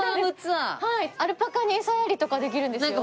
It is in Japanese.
アルパカにエサやりとかできるんですよ。